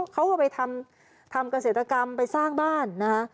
เขาก็ไปทำเกษตรกรรมไปสร้างบ้านนะคะ